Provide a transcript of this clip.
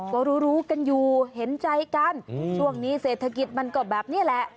ก็รู้รู้กันอยู่เห็นใจกันช่วงนี้เศรษฐกิจมันก็แบบนี้แหละ